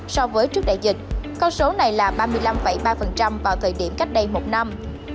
so với trước đại dịch con số này là ba mươi năm ba vào thời điểm cách đây một năm